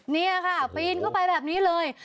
นี่ค่ะปีนเข้าไปแบบนี้เลย